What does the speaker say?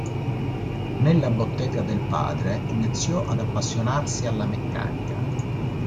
Nella bottega del padre iniziò ad appassionarsi alla meccanica.